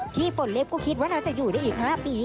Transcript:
ฝนเล็บก็คิดว่าน่าจะอยู่ได้อีก๕ปี